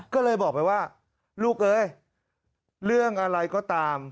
ก็เลยบอกไปว่าลูกเอ้ยเรื่องอะไรก็ตาม